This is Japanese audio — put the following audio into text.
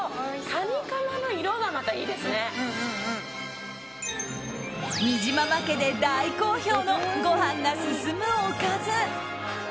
カニかまの色が、またいいですね。にじまま家で大好評のご飯が進むおかず。